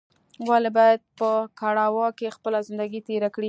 ولې باید په کړاوو کې خپله زندګي تېره کړې